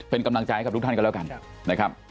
เป็นกำลังใจให้กับทุกท่านกันแล้วกันนะครับ